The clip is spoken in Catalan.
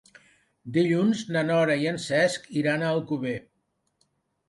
Dilluns na Nora i en Cesc iran a Alcover.